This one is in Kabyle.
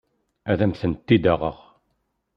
Ad am-tent-id-aɣeɣ.